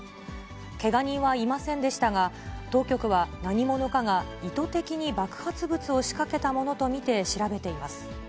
けが人はいませんでしたが、当局は、何者かが意図的に爆発物を仕掛けたものと見て調べています。